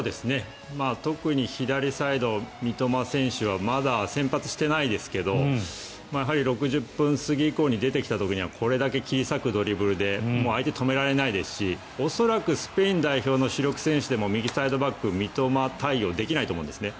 特に左サイド、三笘選手はまだ先発していないですがやはり６０分過ぎ以降に出てきた時にはこれだけ切り裂くドリブルで相手は止められないですし恐らくスペイン代表の主力選手でも右サイドバック、三笘対応できないと思うんですね。